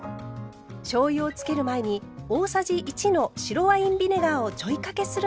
しょうゆを付ける前に大さじ１の白ワインビネガーをちょいかけするのがおすすめ。